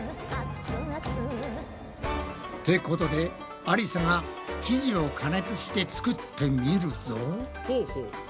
ってことでありさが生地を加熱して作ってみるぞ。